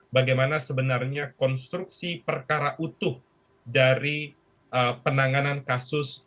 bagaimana sebenarnya konstruksi perkara utuh dari penanganan kasus